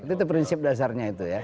itu prinsip dasarnya itu ya